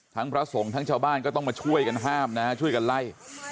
พระสงฆ์ทั้งชาวบ้านก็ต้องมาช่วยกันห้ามนะฮะช่วยกันไล่